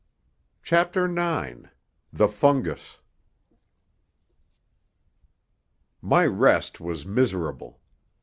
CHAPTER IX THE FUNGUS My rest was miserable.